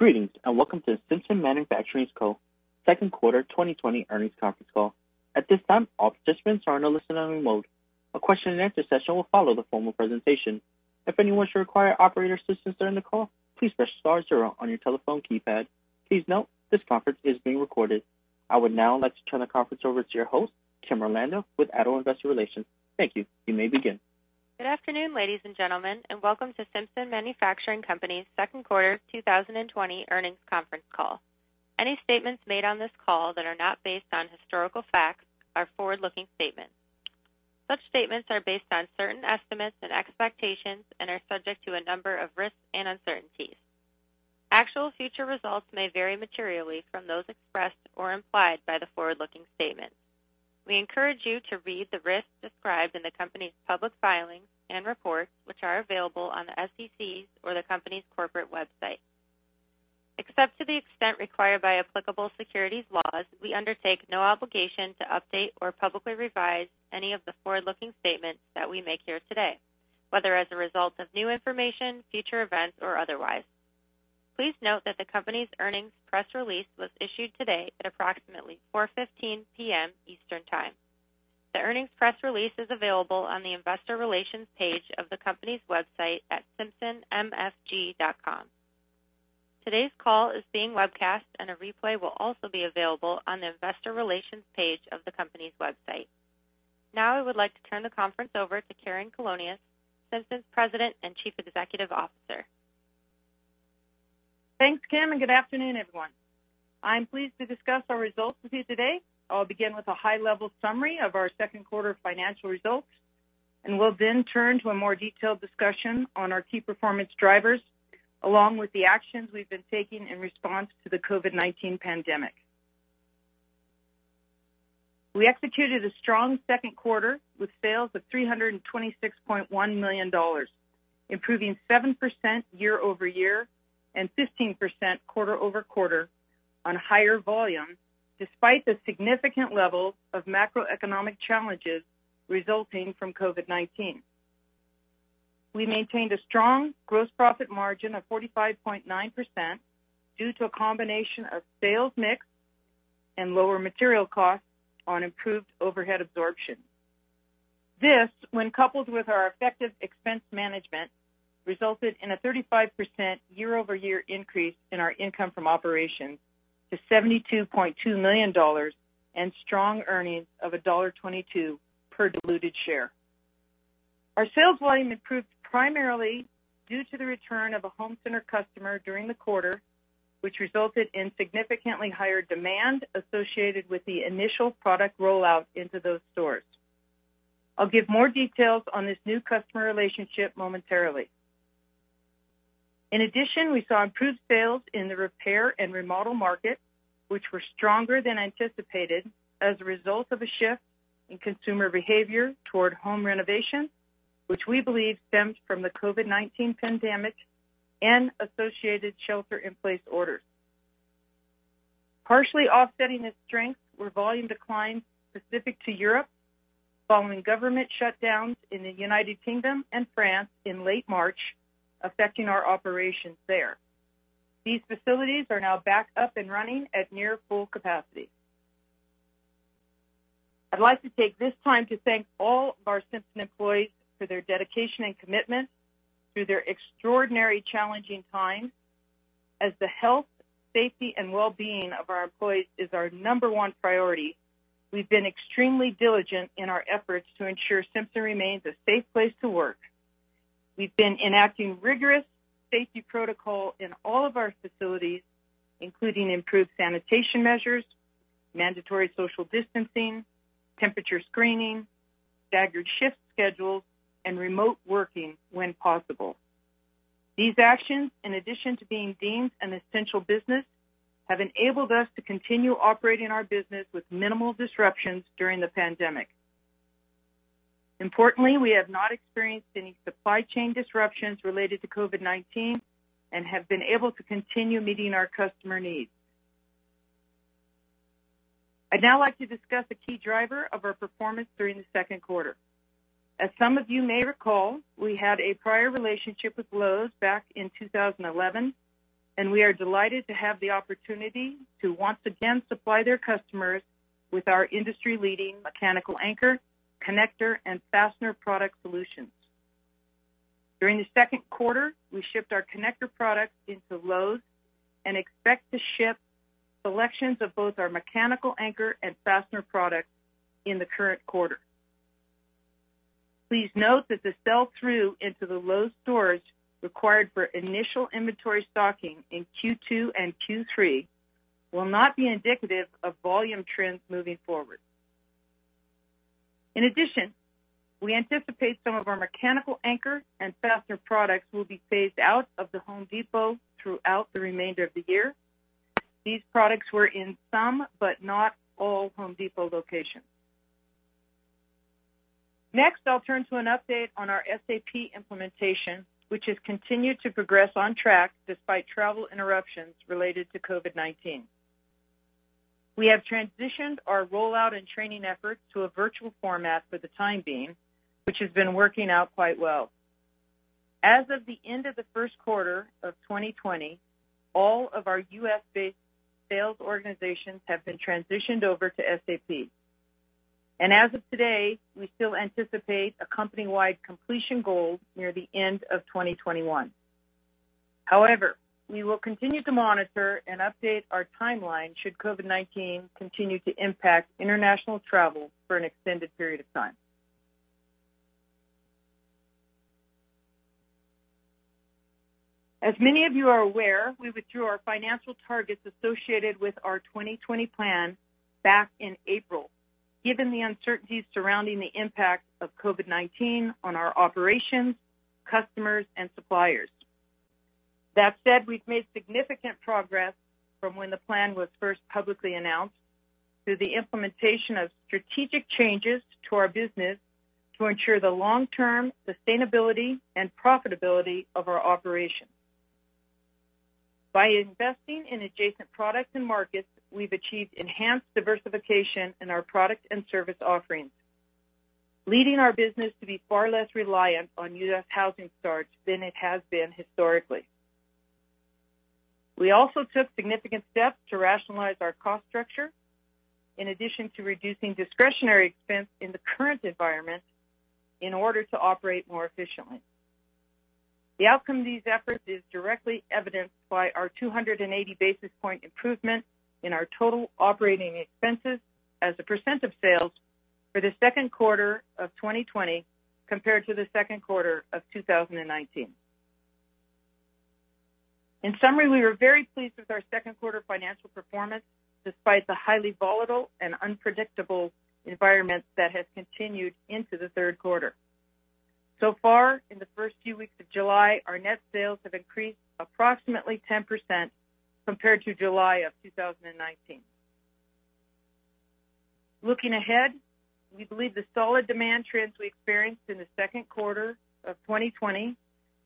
Greetings and welcome to the Simpson Manufacturing's Second Quarter 2020 Earnings Conference Call. At this time, all participants are on a listen-only mode. A question-and-answer session will follow the formal presentation. If anyone should require operator assistance during the call, please press star zero on your telephone keypad. Please note, this conference is being recorded. I would now like to turn the conference over to your host, Kim Orlando, with ADDO Investor Relations. Thank you. You may begin. Good afternoon, ladies and gentlemen, and welcome to Simpson Manufacturing Company's Second Quarter 2020 Earnings Conference Call. Any statements made on this call that are not based on historical facts are forward-looking statements. Such statements are based on certain estimates and expectations and are subject to a number of risks and uncertainties. Actual future results may vary materially from those expressed or implied by the forward-looking statements. We encourage you to read the risks described in the company's public filings and reports, which are available on the SEC's or the company's corporate website. Except to the extent required by applicable securities laws, we undertake no obligation to update or publicly revise any of the forward-looking statements that we make here today, whether as a result of new information, future events, or otherwise. Please note that the company's earnings press release was issued today at approximately 4:15 P.M. Eastern Time. The earnings press release is available on the Investor Relations page of the company's website at simpsonmfg.com. Today's call is being webcast, and a replay will also be available on the Investor Relations page of the company's website. Now, I would like to turn the conference over to Karen Colonias, Simpson's President and Chief Executive Officer. Thanks, Kim, and good afternoon, everyone. I'm pleased to discuss our results with you today. I'll begin with a high-level summary of our second quarter financial results, and we'll then turn to a more detailed discussion on our key performance drivers, along with the actions we've been taking in response to the COVID-19 pandemic. We executed a strong second quarter with sales of $326.1 million, improving 7% year-over-year and 15% quarter-over-quarter on higher volume, despite the significant level of macroeconomic challenges resulting from COVID-19. We maintained a strong gross profit margin of 45.9% due to a combination of sales mix and lower material costs on improved overhead absorption. This, when coupled with our effective expense management, resulted in a 35% year-over-year increase in our income from operations to $72.2 million and strong earnings of $1.22 per diluted share. Our sales volume improved primarily due to the return of a home center customer during the quarter, which resulted in significantly higher demand associated with the initial product rollout into those stores. I'll give more details on this new customer relationship momentarily. In addition, we saw improved sales in the repair and remodel market, which were stronger than anticipated as a result of a shift in consumer behavior toward home renovation, which we believe stemmed from the COVID-19 pandemic and associated shelter-in-place orders. Partially offsetting this strength were volume declines specific to Europe following government shutdowns in the United Kingdom and France in late March, affecting our operations there. These facilities are now back up and running at near full capacity. I'd like to take this time to thank all of our Simpson employees for their dedication and commitment through their extraordinarily challenging times. As the health, safety, and well-being of our employees is our number one priority, we've been extremely diligent in our efforts to ensure Simpson remains a safe place to work. We've been enacting rigorous safety protocols in all of our facilities, including improved sanitation measures, mandatory social distancing, temperature screening, staggered shift schedules, and remote working when possible. These actions, in addition to being deemed an essential business, have enabled us to continue operating our business with minimal disruptions during the pandemic. Importantly, we have not experienced any supply chain disruptions related to COVID-19 and have been able to continue meeting our customer needs. I'd now like to discuss a key driver of our performance during the second quarter. As some of you may recall, we had a prior relationship with Lowe's back in 2011, and we are delighted to have the opportunity to once again supply their customers with our industry-leading mechanical anchor, connector, and fastener product solutions. During the second quarter, we shipped our connector products into Lowe's and expect to ship selections of both our mechanical anchor and fastener products in the current quarter. Please note that the sell-through into the Lowe's stores required for initial inventory stocking in Q2 and Q3 will not be indicative of volume trends moving forward. In addition, we anticipate some of our mechanical anchor and fastener products will be phased out of the Home Depot throughout the remainder of the year. These products were in some, but not all, Home Depot locations. Next, I'll turn to an update on our SAP implementation, which has continued to progress on track despite travel interruptions related to COVID-19. We have transitioned our rollout and training efforts to a virtual format for the time being, which has been working out quite well. As of the end of the first quarter of 2020, all of our U.S.-based sales organizations have been transitioned over to SAP, and as of today, we still anticipate a company-wide completion goal near the end of 2021. However, we will continue to monitor and update our timeline should COVID-19 continue to impact international travel for an extended period of time. As many of you are aware, we withdrew our financial targets associated with our 2020 plan back in April, given the uncertainties surrounding the impact of COVID-19 on our operations, customers, and suppliers. That said, we've made significant progress from when the plan was first publicly announced to the implementation of strategic changes to our business to ensure the long-term sustainability and profitability of our operations. By investing in adjacent products and markets, we've achieved enhanced diversification in our product and service offerings, leading our business to be far less reliant on U.S. housing starts than it has been historically. We also took significant steps to rationalize our cost structure in addition to reducing discretionary expense in the current environment in order to operate more efficiently. The outcome of these efforts is directly evidenced by our 280 basis point improvement in our total operating expenses as a percentage of sales for the second quarter of 2020 compared to the second quarter of 2019. In summary, we are very pleased with our second quarter financial performance despite the highly volatile and unpredictable environment that has continued into the third quarter. So far, in the first few weeks of July, our net sales have increased approximately 10% compared to July of 2019. Looking ahead, we believe the solid demand trends we experienced in the second quarter of 2020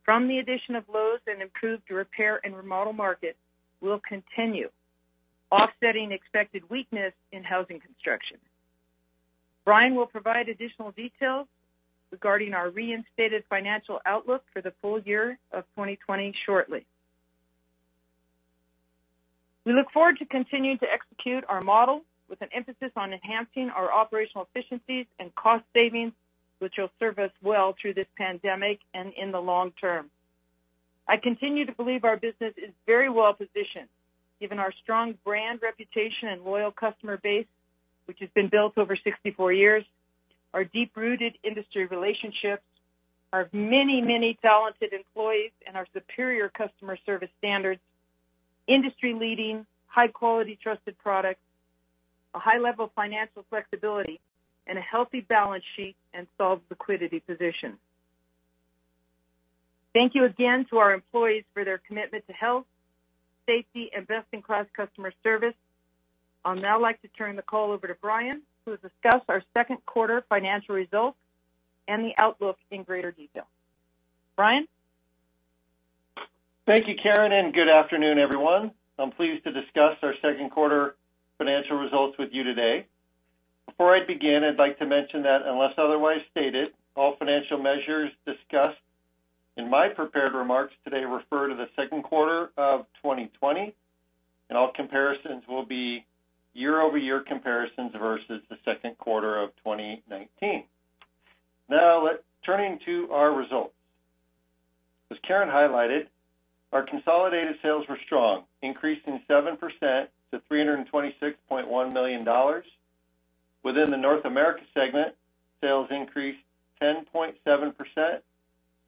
from the addition of Lowe's and improved repair and remodel markets will continue, offsetting expected weakness in housing construction. Brian will provide additional details regarding our reinstated financial outlook for the full year of 2020 shortly. We look forward to continuing to execute our model with an emphasis on enhancing our operational efficiencies and cost savings, which will serve us well through this pandemic and in the long term. I continue to believe our business is very well positioned, given our strong brand reputation and loyal customer base, which has been built over 64 years, our deep-rooted industry relationships, our many, many talented employees, and our superior customer service standards, industry-leading, high-quality, trusted products, a high level of financial flexibility, and a healthy balance sheet and solid liquidity position. Thank you again to our employees for their commitment to health, safety, and best-in-class customer service. I'd now like to turn the call over to Brian, who will discuss our second quarter financial results and the outlook in greater detail. Brian. Thank you, Karen, and good afternoon, everyone. I'm pleased to discuss our second quarter financial results with you today. Before I begin, I'd like to mention that unless otherwise stated, all financial measures discussed in my prepared remarks today refer to the second quarter of 2020, and all comparisons will be year-over-year comparisons versus the second quarter of 2019. Now, turning to our results. As Karen highlighted, our consolidated sales were strong, increasing 7% to $326.1 million. Within the North America segment, sales increased 10.7%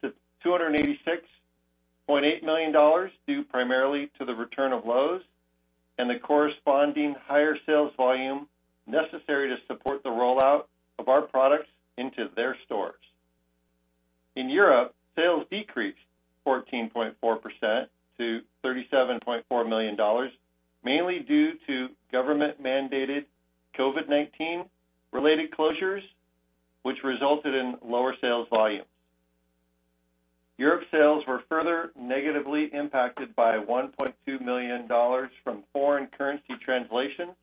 to $286.8 million, due primarily to the return of Lowe's and the corresponding higher sales volume necessary to support the rollout of our products into their stores. In Europe, sales decreased 14.4% to $37.4 million, mainly due to government-mandated COVID-19-related closures, which resulted in lower sales volumes. Europe's sales were further negatively impacted by $1.2 million from foreign currency translations,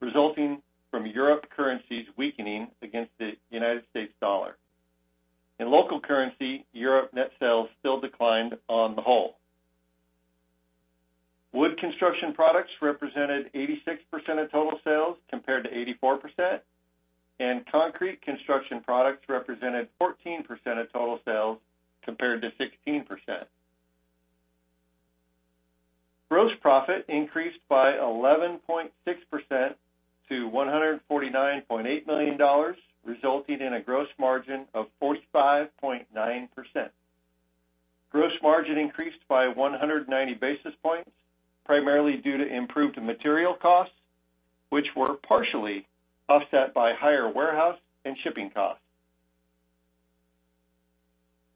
resulting from Europe currencies weakening against the United States dollar. In local currency, Europe net sales still declined on the whole. Wood construction products represented 86% of total sales compared to 84%, and concrete construction products represented 14% of total sales compared to 16%. Gross profit increased by 11.6% to $149.8 million, resulting in a gross margin of 45.9%. Gross margin increased by 190 basis points, primarily due to improved material costs, which were partially offset by higher warehouse and shipping costs.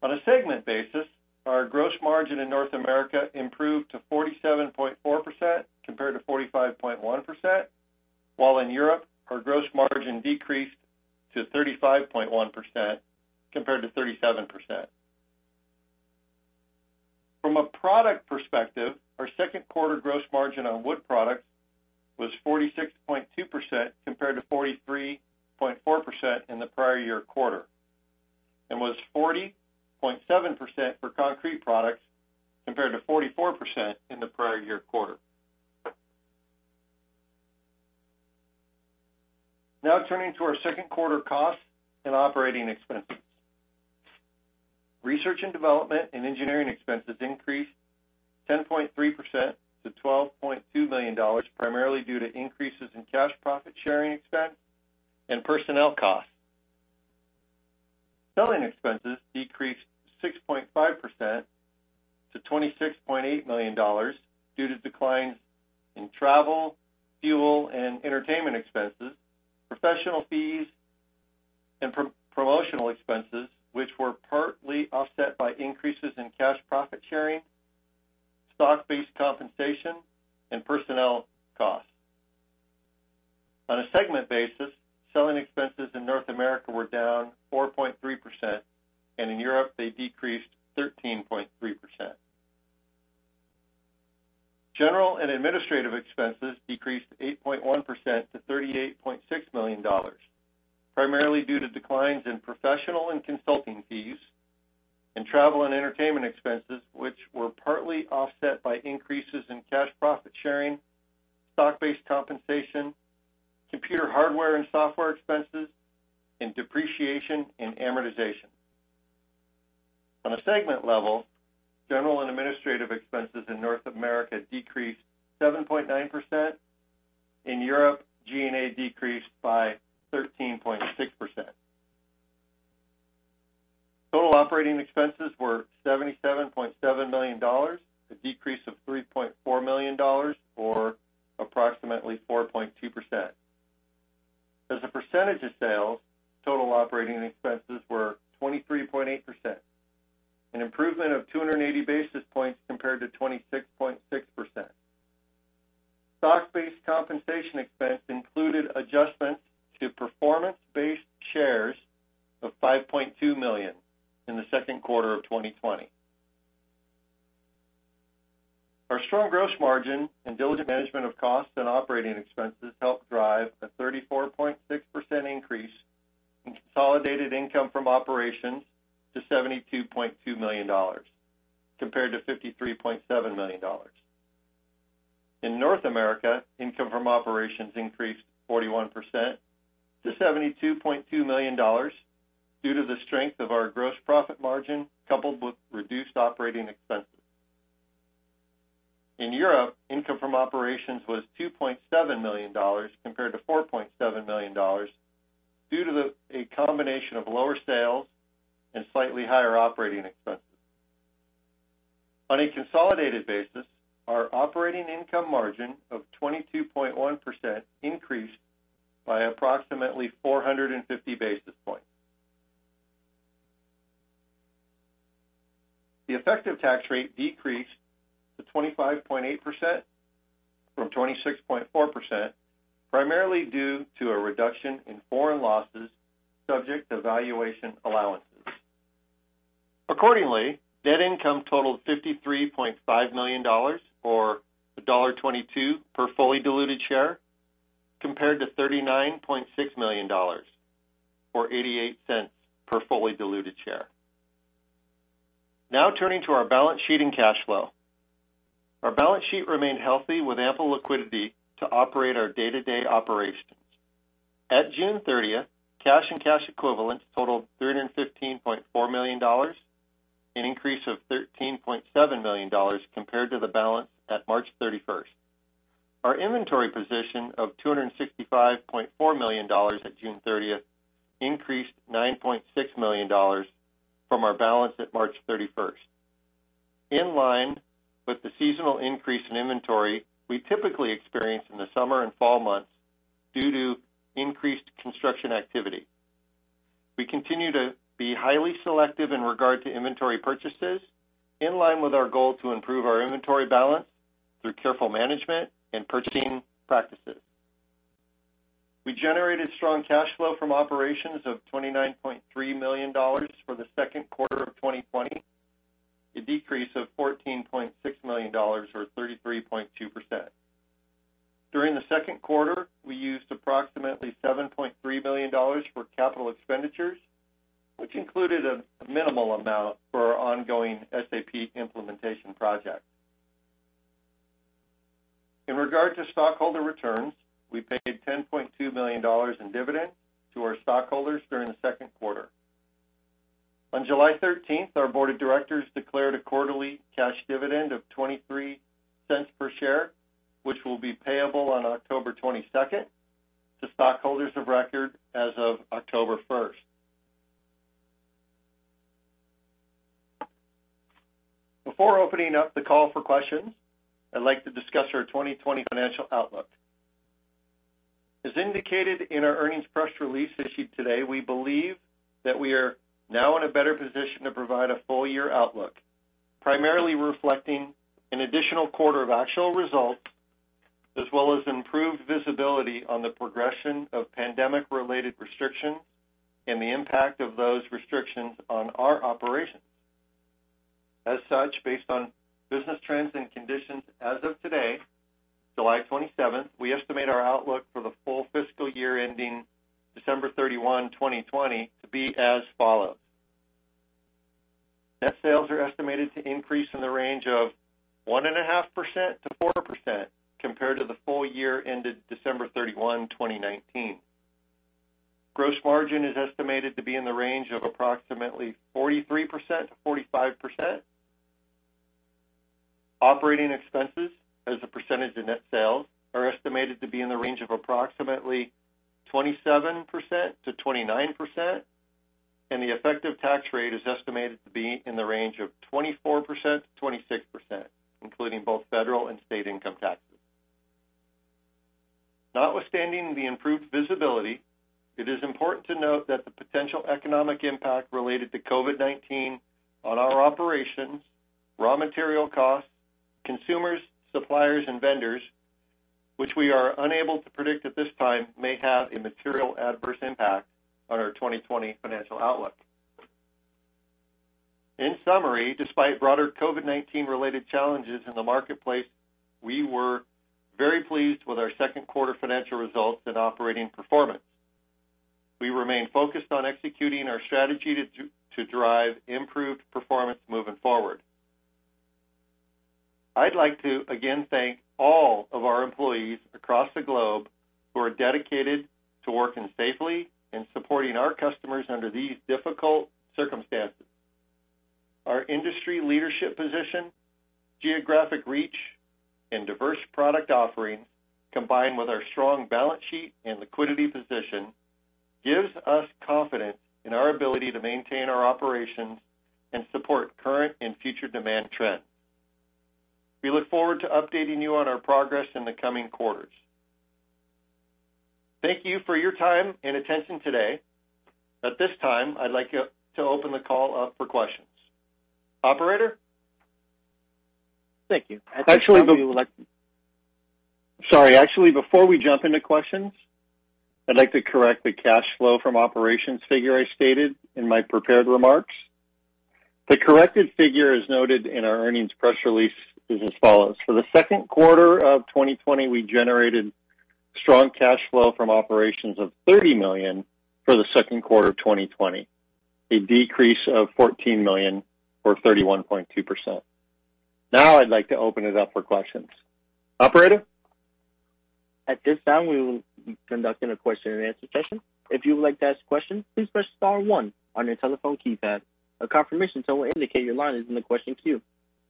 On a segment basis, our gross margin in North America improved to 47.4% compared to 45.1%, while in Europe, our gross margin decreased to 35.1% compared to 37%. From a product perspective, our second quarter gross margin on wood products was 46.2% compared to 43.4% in the prior year quarter, and was 40.7% for concrete products compared to 44% in the prior year quarter. Now, turning to our second quarter costs and operating expenses. Research and development and engineering expenses increased 10.3% to $12.2 million, primarily due to increases in cash profit sharing expense and personnel costs. Selling expenses decreased 6.5% to $26.8 million due to declines in travel, fuel, and entertainment expenses, professional fees, and promotional expenses, which were partly offset by increases in cash profit sharing, stock-based compensation, and personnel costs. On a segment basis, selling expenses in North America were down 4.3%, and in Europe, they decreased 13.3%. General and administrative expenses decreased 8.1% to $38.6 million, primarily due to declines in professional and consulting fees, and travel and entertainment expenses, which were partly offset by increases in cash profit sharing, stock-based compensation, computer hardware and software expenses, and depreciation and amortization. On a segment level, general and administrative expenses in North America decreased 7.9%. In Europe, G&A decreased by 13.6%. Total operating expenses were $77.7 million, a decrease of $3.4 million, or approximately 4.2%. As a percentage of sales, total operating expenses were 23.8%, an improvement of 280 basis points compared to 26.6%. Stock-based compensation expense included adjustments to performance-based shares of $5.2 million in the second quarter of 2020. Our strong gross margin and diligent management of costs and operating expenses helped drive a 34.6% increase in consolidated income from operations to $72.2 million compared to $53.7 million. In North America, income from operations increased 41% to $72.2 million due to the strength of our gross profit margin coupled with reduced operating expenses. In Europe, income from operations was $2.7 million compared to $4.7 million due to a combination of lower sales and slightly higher operating expenses. On a consolidated basis, our operating income margin of 22.1% increased by approximately 450 basis points. The effective tax rate decreased to 25.8% from 26.4%, primarily due to a reduction in foreign losses subject to valuation allowances. Accordingly, net income totaled $53.5 million, or $1.22 per fully diluted share, compared to $39.6 million, or $0.88 per fully diluted share. Now, turning to our balance sheet and cash flow. Our balance sheet remained healthy with ample liquidity to operate our day-to-day operations. At June 30th, cash and cash equivalents totaled $315.4 million, an increase of $13.7 million compared to the balance at March 31st. Our inventory position of $265.4 million at June 30th increased $9.6 million from our balance at March 31st. In line with the seasonal increase in inventory we typically experience in the summer and fall months due to increased construction activity, we continue to be highly selective in regard to inventory purchases, in line with our goal to improve our inventory balance through careful management and purchasing practices. We generated strong cash flow from operations of $29.3 million for the second quarter of 2020, a decrease of $14.6 million, or 33.2%. During the second quarter, we used approximately $7.3 million for capital expenditures, which included a minimal amount for our ongoing SAP implementation project. In regard to stockholder returns, we paid $10.2 million in dividends to our stockholders during the second quarter. On July 13th, our board of directors declared a quarterly cash dividend of $0.23 per share, which will be payable on October 22nd to stockholders of record as of October 1st. Before opening up the call for questions, I'd like to discuss our 2020 financial outlook. As indicated in our earnings press release issued today, we believe that we are now in a better position to provide a full-year outlook, primarily reflecting an additional quarter of actual results as well as improved visibility on the progression of pandemic-related restrictions and the impact of those restrictions on our operations. As such, based on business trends and conditions as of today, July 27th, we estimate our outlook for the full fiscal year ending December 31, 2020, to be as follows. Net sales are estimated to increase in the range of 1.5%-4% compared to the full year ended December 31, 2019. Gross margin is estimated to be in the range of approximately 43%-45%. Operating expenses, as a percentage of net sales, are estimated to be in the range of approximately 27%-29%, and the effective tax rate is estimated to be in the range of 24%-26%, including both federal and state income taxes. Notwithstanding the improved visibility, it is important to note that the potential economic impact related to COVID-19 on our operations, raw material costs, consumers, suppliers, and vendors, which we are unable to predict at this time, may have a material adverse impact on our 2020 financial outlook. In summary, despite broader COVID-19-related challenges in the marketplace, we were very pleased with our second quarter financial results and operating performance. We remain focused on executing our strategy to drive improved performance moving forward. I'd like to again thank all of our employees across the globe who are dedicated to working safely and supporting our customers under these difficult circumstances. Our industry leadership position, geographic reach, and diverse product offerings, combined with our strong balance sheet and liquidity position, gives us confidence in our ability to maintain our operations and support current and future demand trends. We look forward to updating you on our progress in the coming quarters. Thank you for your time and attention today. At this time, I'd like to open the call up for questions. Operator? Thank you. Actually, before we jump into questions, I'd like to correct the cash flow from operations figure I stated in my prepared remarks. The corrected figure as noted in our earnings press release is as follows. For the second quarter of 2020, we generated strong cash flow from operations of $30 million for the second quarter of 2020, a decrease of $14 million, or 31.2%. Now, I'd like to open it up for questions. Operator? At this time, we will be conducting a question-and-answer session. If you would like to ask a question, please press star one on your telephone keypad. A confirmation to indicate your line is in the question queue.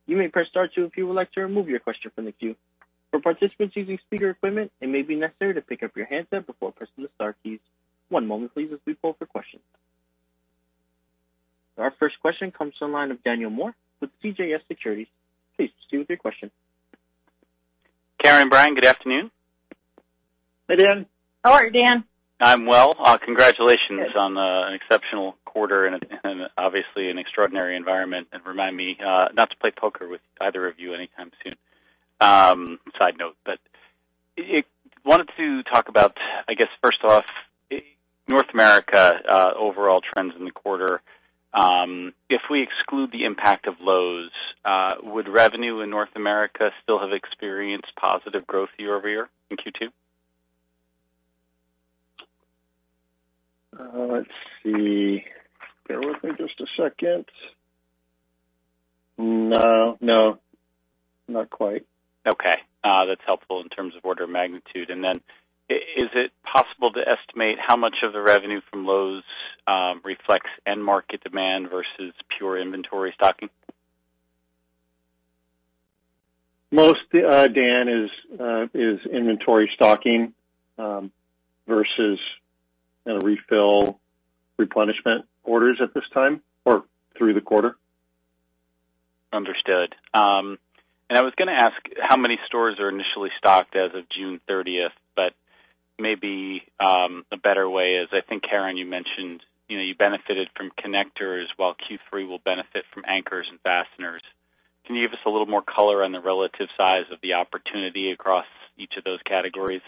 You may press star two if you would like to remove your question from the queue. For participants using speaker equipment, it may be necessary to pick up your handset before pressing the star keys. One moment, please, as we pull up for questions. Our first question comes from the line of Daniel Moore with CJS Securities. Please proceed with your question. Karen, Brian, good afternoon. Hey, Dan. How are you, Dan? I'm well. Congratulations on an exceptional quarter and obviously an extraordinary environment. And remind me not to play poker with either of you anytime soon. Side note, but I wanted to talk about, I guess, first off, North America overall trends in the quarter. If we exclude the impact of Lowe's, would revenue in North America still have experienced positive growth year-over-year in Q2? Let's see. Bear with me just a second. No, no, not quite. Okay. That's helpful in terms of order of magnitude. And then is it possible to estimate how much of the revenue from Lowe's reflects end market demand versus pure inventory stocking? Most, Dan, is inventory stocking versus refill replenishment orders at this time or through the quarter. Understood. And I was going to ask how many stores are initially stocked as of June 30th, but maybe a better way is I think, Karen, you mentioned you benefited from connectors while Q3 will benefit from anchors and fasteners. Can you give us a little more color on the relative size of the opportunity across each of those categories?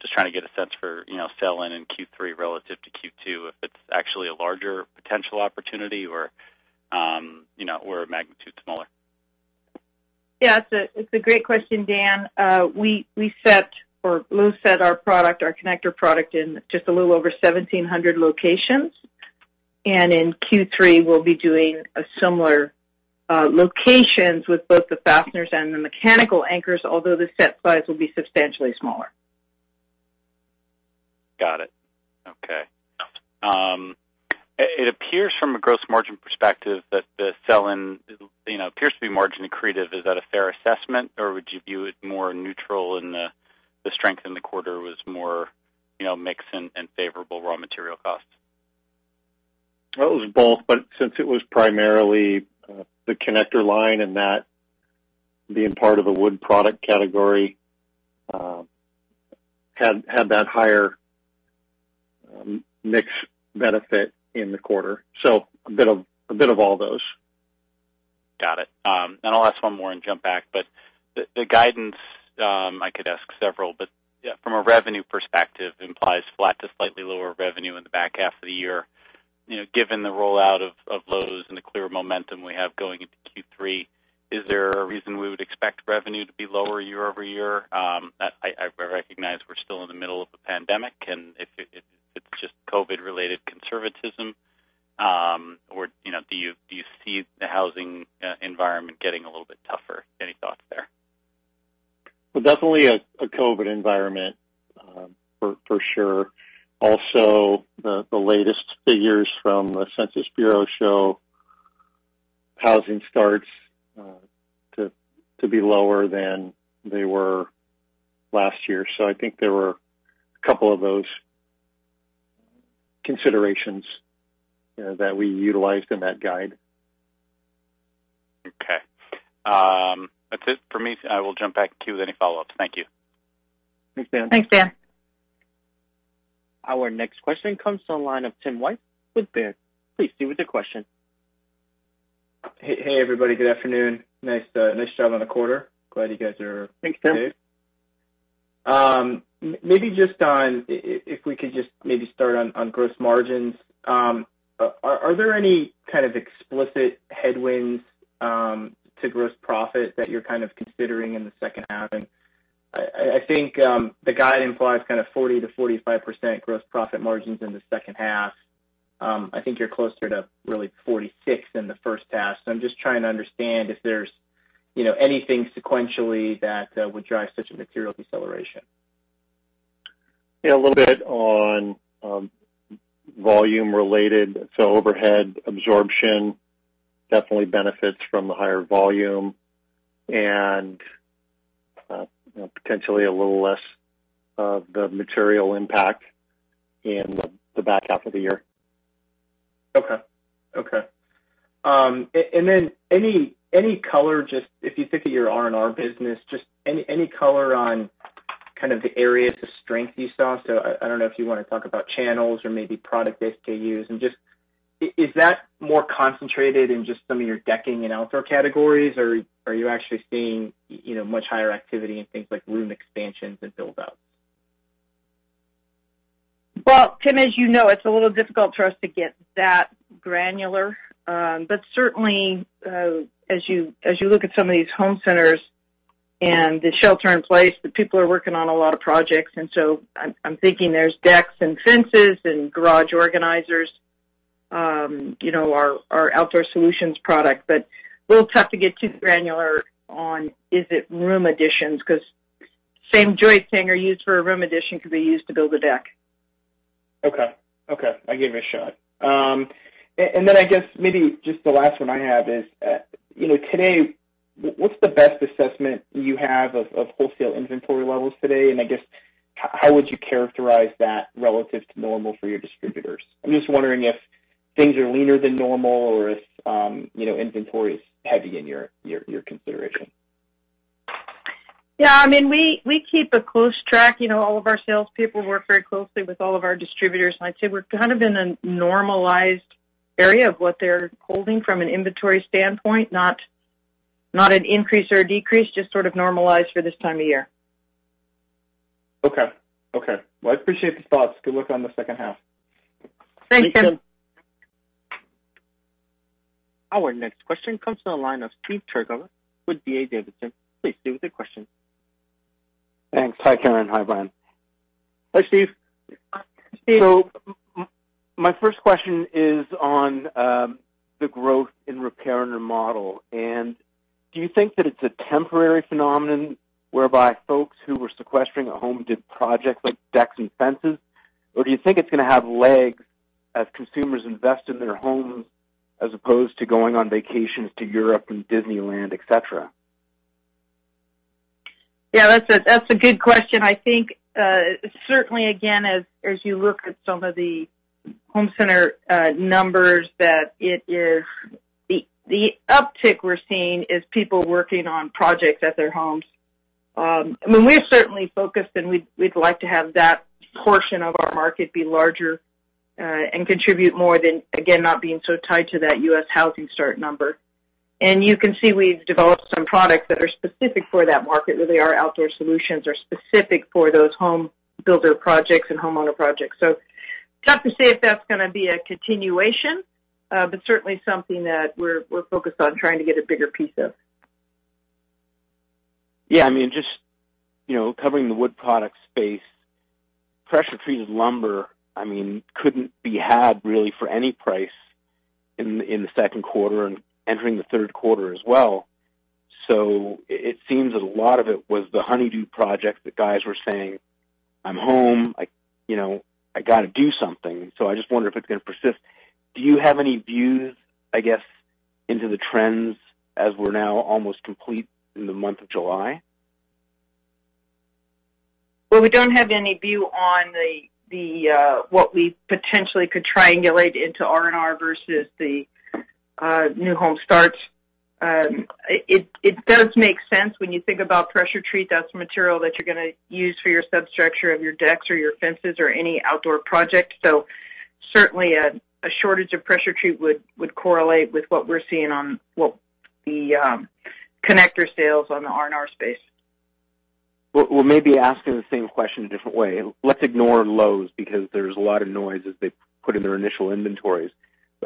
Just trying to get a sense for sell-in in Q3 relative to Q2, if it's actually a larger potential opportunity or a magnitude smaller? Yeah, it's a great question, Dan. We set our product, our connector product, in just a little over 1,700 Lowe's locations. And in Q3, we'll be doing similar locations with both the fasteners and the mechanical anchors, although the set size will be substantially smaller. Got it. Okay. It appears from a gross margin perspective that the sell-in appears to be margin accretive. Is that a fair assessment, or would you view it more neutral, and the strength in the quarter was more mixed and favorable raw material costs? That was both, but since it was primarily the connector line and that being part of a wood product category had that higher mix benefit in the quarter. So a bit of all those. Got it. And I'll ask one more and jump back, but the guidance, I could ask several, but from a revenue perspective, implies flat to slightly lower revenue in the back half of the year. Given the rollout of Lowe's and the clear momentum we have going into Q3, is there a reason we would expect revenue to be lower year-over-year? I recognize we're still in the middle of a pandemic, and if it's just COVID-related conservatism, or do you see the housing environment getting a little bit tougher? Any thoughts there? Definitely a COVID environment for sure. Also, the latest figures from the Census Bureau show housing starts to be lower than they were last year. I think there were a couple of those considerations that we utilized in that guide. Okay. That's it for me. I will jump back in queue with any follow-ups. Thank you. Thanks, Dan. Thanks, Dan. Our next question comes from the line of Tim Wojs with Baird. Please do with your question. Hey, everybody. Good afternoon. Nice job on the quarter. Glad you guys are up to date. Thanks, Tim. Maybe just on if we could just maybe start on gross margins. Are there any kind of explicit headwinds to gross profit that you're kind of considering in the second half? I think the guide implies kind of 40%-45% gross profit margins in the second half. I think you're closer to really 46% in the first half. So I'm just trying to understand if there's anything sequentially that would drive such a material deceleration. Yeah, a little bit on volume-related. So overhead absorption definitely benefits from the higher volume and potentially a little less of the material impact in the back half of the year. Okay. Okay. And then any color, just if you think of your R&R business, just any color on kind of the areas of strength you saw? So, I don't know if you want to talk about channels or maybe product SKUs, and just is that more concentrated in just some of your decking and outdoor categories, or are you actually seeing much higher activity in things like room expansions and build-outs? Tim, as you know, it's a little difficult for us to get that granular. Certainly, as you look at some of these home centers and the shelter-in-place, the people are working on a lot of projects. I'm thinking there's decks and fences and garage organizers, our outdoor solutions product. A little tough to get too granular on is it room additions because same joists that are used for a room addition could be used to build a deck. Okay. Okay. I'll give you a shot. And then I guess maybe just the last one I have is today, what's the best assessment you have of wholesale inventory levels today? And I guess how would you characterize that relative to normal for your distributors? I'm just wondering if things are leaner than normal or if inventory is heavy in your consideration. Yeah. I mean, we keep a close track. All of our salespeople work very closely with all of our distributors. And I'd say we're kind of in a normalized area of what they're holding from an inventory standpoint, not an increase or a decrease, just sort of normalized for this time of year. Okay. Well, I appreciate the thoughts. Good luck on the second half. Thanks, Tim. Our next question comes from the line of Steve Chercover with D.A. Davidson. Please proceed with your question. Thanks. Hi, Karen. Hi, Brian. Hi, Steve. Steve. So my first question is on the growth in repair and remodel. And do you think that it's a temporary phenomenon whereby folks who were sequestering a home did projects like decks and fences, or do you think it's going to have legs as consumers invest in their homes as opposed to going on vacations to Europe and Disneyland, etc.? Yeah, that's a good question. I think certainly, again, as you look at some of the home center numbers, that it is the uptick we're seeing is people working on projects at their homes. I mean, we're certainly focused, and we'd like to have that portion of our market be larger and contribute more than, again, not being so tied to that U.S. housing start number. And you can see we've developed some products that are specific for that market, really. Our outdoor solutions are specific for those home builder projects and homeowner projects, so tough to say if that's going to be a continuation, but certainly something that we're focused on trying to get a bigger piece of. Yeah. I mean, just covering the wood product space, pressure-treated lumber, I mean, couldn't be had really for any price in the second quarter and entering the third quarter as well. So it seems that a lot of it was the honey-do project that guys were saying, I'm home. I got to do something. So I just wonder if it's going to persist. Do you have any views, I guess, into the trends as we're now almost complete in the month of July? We don't have any view on what we potentially could triangulate into R&R versus the new home starts. It does make sense when you think about pressure-treated. That's material that you're going to use for your substructure of your decks or your fences or any outdoor project. So certainly, a shortage of pressure-treated would correlate with what we're seeing on the connector sales on the R&R space. Maybe asking the same question a different way. Let's ignore Lowe's because there's a lot of noise as they put in their initial inventories.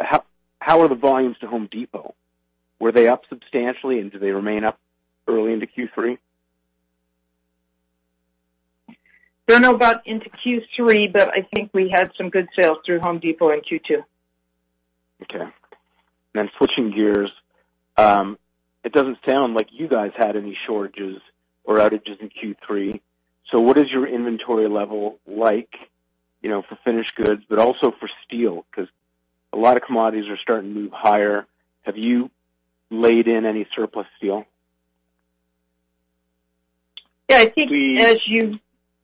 How are the volumes to Home Depot? Were they up substantially, and did they remain up early into Q3? I don't know about into Q3, but I think we had some good sales through Home Depot in Q2. Okay. And then switching gears, it doesn't sound like you guys had any shortages or outages in Q3. So what is your inventory level like for finished goods, but also for steel? Because a lot of commodities are starting to move higher. Have you laid in any surplus steel? Yeah. I think as you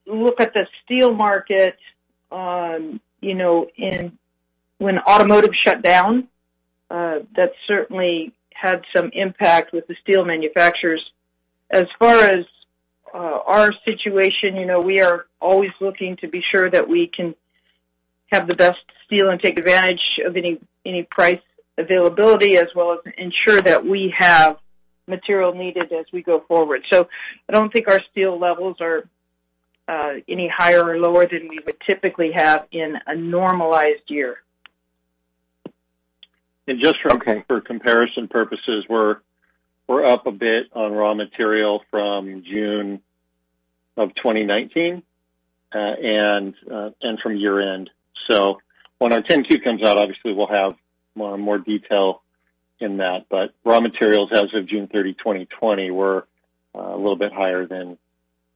look at the steel market, when automotive shut down, that certainly had some impact with the steel manufacturers. As far as our situation, we are always looking to be sure that we can have the best steel and take advantage of any price availability as well as ensure that we have material needed as we go forward. So I don't think our steel levels are any higher or lower than we would typically have in a normalized year. And just for comparison purposes, we're up a bit on raw material from June of 2019 and from year-end. So when our 10-Q comes out, obviously, we'll have more detail in that. But raw materials as of June 30, 2020, were a little bit higher than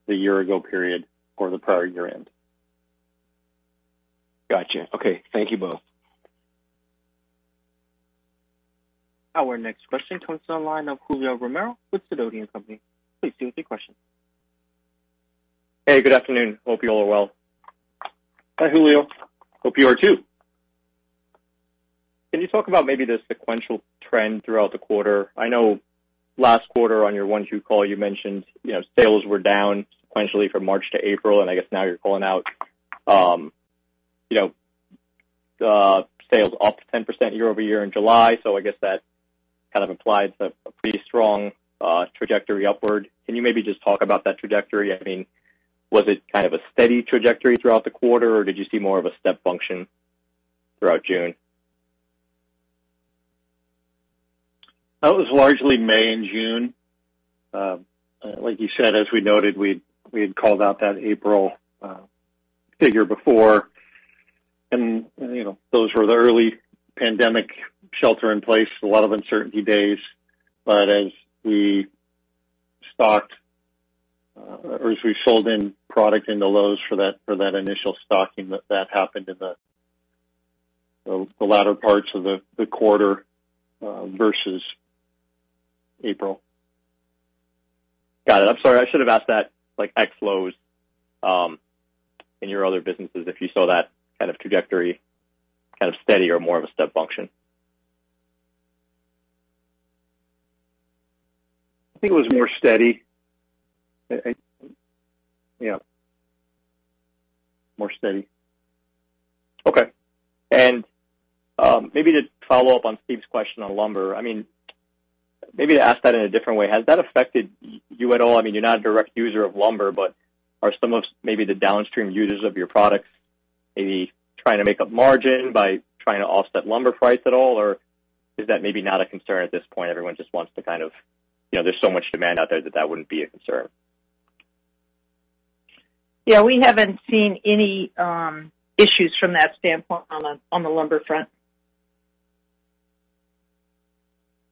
the year-ago period or the prior year-end. Gotcha. Okay. Thank you both. Our next question comes from the line of Julio Romero with Sidoti & Company. Please go ahead with your question. Hey, good afternoon. Hope you all are well. Hi, Julio. Hope you are too. Can you talk about maybe the sequential trend throughout the quarter? I know last quarter on your 1Q call, you mentioned sales were down sequentially from March to April, and I guess now you're calling out sales up 10% year-over-year in July. So I guess that kind of implies a pretty strong trajectory upward. Can you maybe just talk about that trajectory? I mean, was it kind of a steady trajectory throughout the quarter, or did you see more of a step function throughout June? That was largely May and June. Like you said, as we noted, we had called out that April figure before. And those were the early pandemic shelter-in-place, a lot of uncertainty days. But as we stocked or as we sold in product into Lowe's for that initial stocking, that happened in the latter parts of the quarter versus April. Got it. I'm sorry. I should have asked that. Like ex-Lowe's in your other businesses, if you saw that kind of trajectory kind of steady or more of a step function? I think it was more steady. Yeah. More steady. Okay. And maybe to follow up on Steve's question on lumber, I mean, maybe to ask that in a different way, has that affected you at all? I mean, you're not a direct user of lumber, but are some of maybe the downstream users of your products maybe trying to make up margin by trying to offset lumber price at all, or is that maybe not a concern at this point? Everyone just wants to kind of there's so much demand out there that that wouldn't be a concern. Yeah. We haven't seen any issues from that standpoint on the lumber front.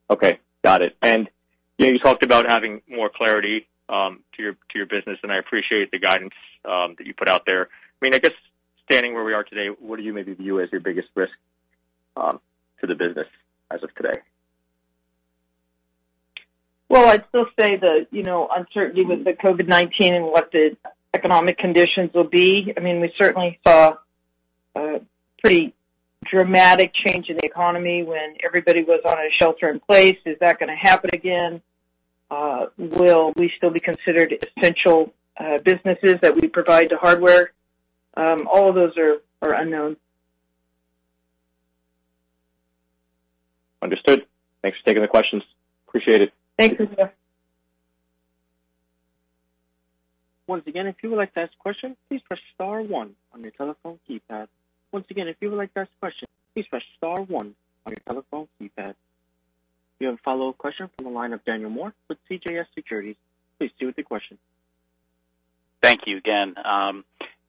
Okay. Got it. And you talked about having more clarity to your business, and I appreciate the guidance that you put out there. I mean, I guess standing where we are today, what do you maybe view as your biggest risk to the business as of today? I'd still say the uncertainty with the COVID-19 and what the economic conditions will be. I mean, we certainly saw a pretty dramatic change in the economy when everybody was on a shelter-in-place. Is that going to happen again? Will we still be considered essential businesses that we provide the hardware? All of those are unknown. Understood. Thanks for taking the questions. Appreciate it. Thanks, Julio. Once again, if you would like to ask a question, please press star one on your telephone keypad. Do you have a follow-up question from the line of Daniel Moore with CJS Securities? Please do with your question. Thank you again.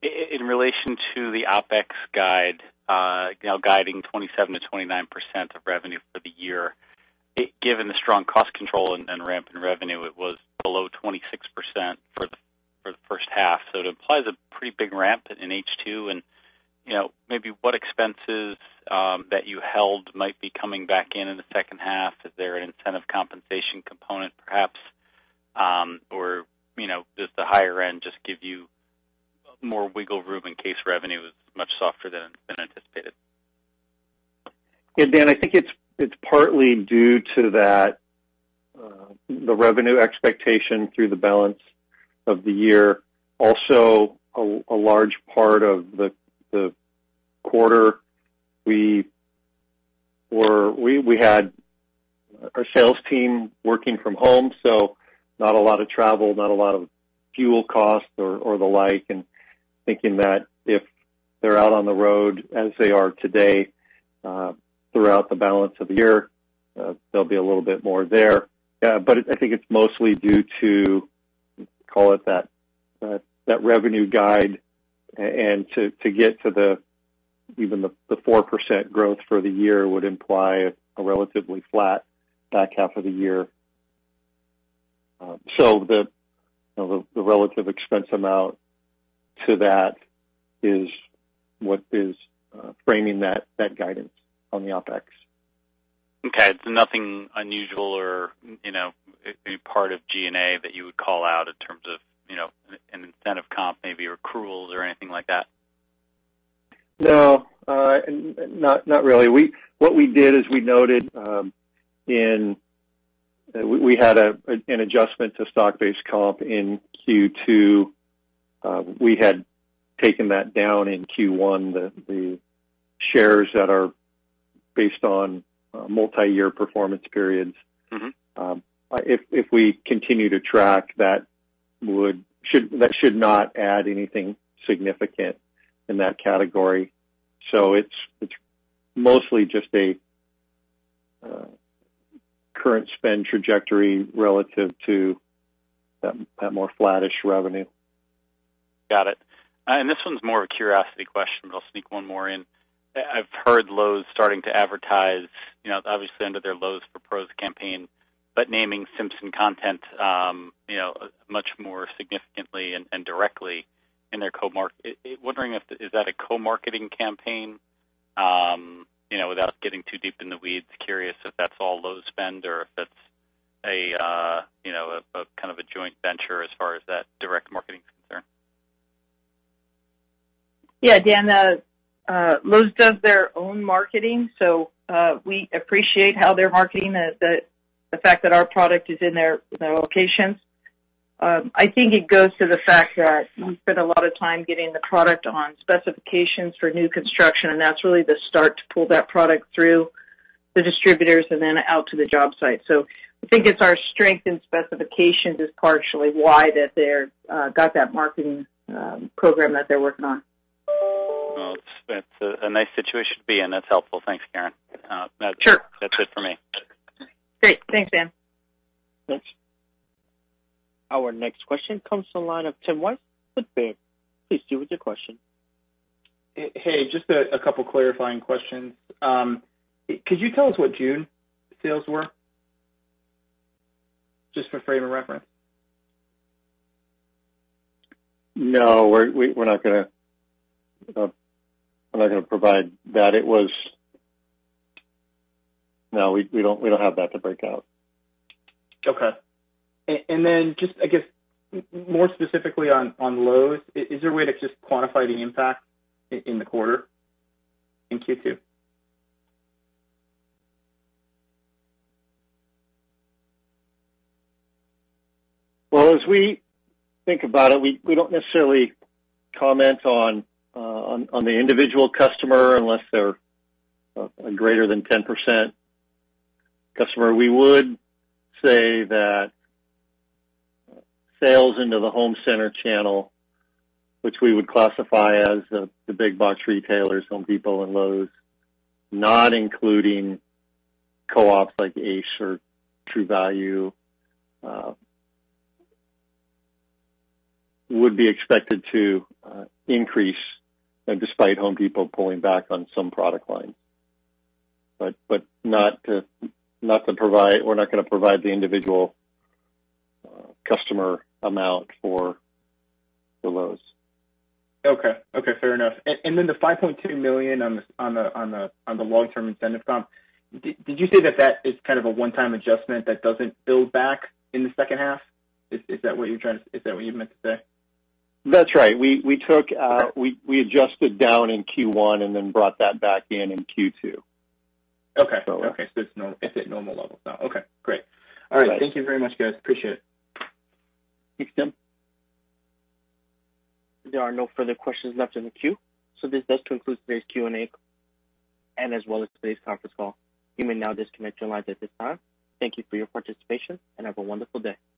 In relation to the OpEx guide, guiding 27%-29% of revenue for the year, given the strong cost control and ramp in revenue, it was below 26% for the first half, so it implies a pretty big ramp in H2. And maybe what expenses that you held might be coming back in the second half? Is there an incentive compensation component, perhaps? Or does the higher end just give you more wiggle room in case revenue is much softer than anticipated? Yeah. Dan, I think it's partly due to the revenue expectation through the balance of the year. Also, a large part of the quarter, we had our sales team working from home. So not a lot of travel, not a lot of fuel costs or the like. And thinking that if they're out on the road, as they are today, throughout the balance of the year, there'll be a little bit more there. But I think it's mostly due to, call it that revenue guide. And to get to even the 4% growth for the year would imply a relatively flat back half of the year. So the relative expense amount to that is what is framing that guidance on the OpEx. Okay. So nothing unusual or any part of G&A that you would call out in terms of an incentive comp, maybe accruals or anything like that? No. Not really. What we did is we noted we had an adjustment to stock-based comp in Q2. We had taken that down in Q1, the shares that are based on multi-year performance periods. If we continue to track, that should not add anything significant in that category. So it's mostly just a current spend trajectory relative to that more flattish revenue. Got it. And this one's more of a curiosity question, but I'll sneak one more in. I've heard Lowe's starting to advertise, obviously, under their Lowe's Pros campaign, but naming Simpson connectors much more significantly and directly in their co-marketing. Wondering if that is a co-marketing campaign? Without getting too deep in the weeds, curious if that's all Lowe's spend or if that's a kind of a joint venture as far as that direct marketing is concerned. Yeah, Dan, Lowe's does their own marketing. So we appreciate how they're marketing the fact that our product is in their locations. I think it goes to the fact that we spend a lot of time getting the product on specifications for new construction, and that's really the start to pull that product through the distributors and then out to the job site. So I think it's our strength in specifications is partially why that they've got that marketing program that they're working on. That's a nice situation to be in. That's helpful. Thanks, Karen. That's it for me. Sure. Great. Thanks, Dan. Thanks. Our next question comes from the line of Tim Wojs. Please do with your question. Hey, just a couple of clarifying questions. Could you tell us what June sales were? Just for frame of reference. No. We're not going to provide that. No, we don't have that to break out. Okay. And then just, I guess, more specifically on Lowe's, is there a way to just quantify the impact in the quarter in Q2? As we think about it, we don't necessarily comment on the individual customer unless they're a greater than 10% customer. We would say that sales into the home center channel, which we would classify as the big box retailers, Home Depot and Lowe's, not including co-ops like Ace or True Value, would be expected to increase despite Home Depot pulling back on some product lines. But we're not going to provide the individual customer amount for Lowe's. Okay. Okay. Fair enough. And then the $5.2 million on the long-term incentive comp, did you say that that is kind of a one-time adjustment that doesn't build back in the second half? Is that what you're trying to is that what you meant to say? That's right. We adjusted down in Q1 and then brought that back in in Q2. Okay. Okay. It's at normal levels now. Okay. Great. All right. Thank you very much, guys. Appreciate it. Thanks, Tim. There are no further questions left in the queue. So this does conclude today's Q&A and as well as today's conference call. You may now disconnect your lines at this time. Thank you for your participation and have a wonderful day.